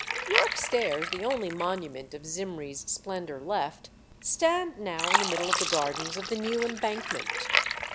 York Stairs, the only monument of Zimri's splendour left, stand now in the middle of the gardens of the new Embankment.